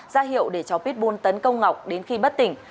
ra hiệu để cho pitbull tấn công ngọc đến khi bất tỉnh